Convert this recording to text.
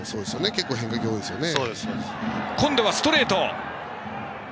結構、変化球が多いですよね。